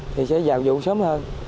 thì sẽ vào vụ sớm hơn